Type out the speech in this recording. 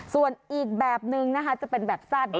ส่วนอีกแบบนึงนะคะจะเป็นแบบสั้น